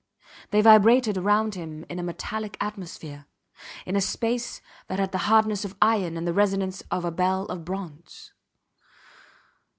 They vibrated round him in a metallic atmosphere, in a space that had the hardness of iron and the resonance of a bell of bronze.